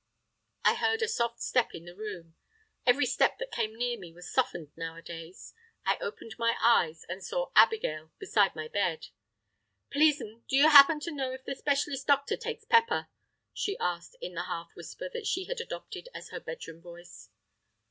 I heard a soft step in the room—every step that came near me was softened nowadays. I opened my eyes and saw Abigail beside my bed. "Please, m'm, do you happen to know if the specialist doctor takes pepper?" she asked in the half whisper that she had adopted as her bedroom voice.